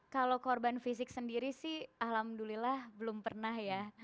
kalau korban fisik sendiri sih alhamdulillah belum pernah ya